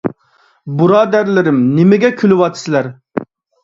بۇرادەرلىرىم، نېمىگە كۈلۈۋاتىسىلەر؟